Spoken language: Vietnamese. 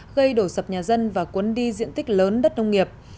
gây đổ sập nhà dân và cuốn đi diện tích lớn đất nông nghiệp